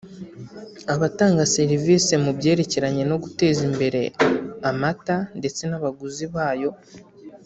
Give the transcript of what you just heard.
abatanga servisi mu byerekeranye no guteza imbere amata ndetse n’abaguzi bayo